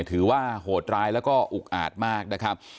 ถือว่าโหดร้ายแล้วก็อุกอาจมากนะครับ